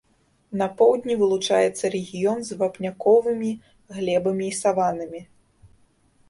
На поўдні вылучаецца рэгіён з вапняковымі глебамі і саваннамі.